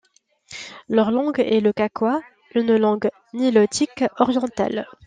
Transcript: Leur langue est le kakwa, une langue nilotique orientale.